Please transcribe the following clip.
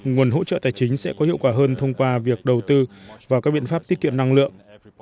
nguồn hỗ trợ tài chính sẽ có hiệu quả hơn thông qua việc đầu tư vào các biện pháp tiết kiệm năng lượng